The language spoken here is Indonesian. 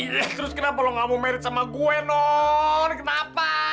terus kenapa lo gak mau merit sama gue non kenapa